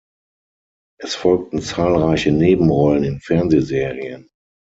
Es folgten zahlreiche Nebenrollen in Fernsehserien.